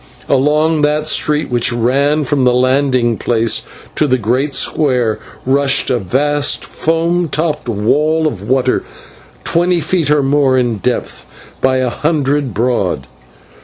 Along that street which ran from the landing place to the great square rushed a vast foam topped wall of water twenty feet or more in depth by a hundred broad.